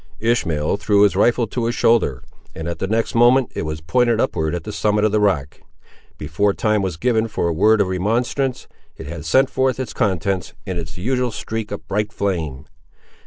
Ishmael threw his rifle to his shoulder, and at the next moment it was pointed upward at the summit of the rock. Before time was given for a word of remonstrance, it had sent forth its contents, in its usual streak of bright flame.